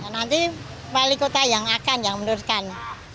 nanti balik kota yang akan yang menurutkan